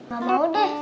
gak mau deh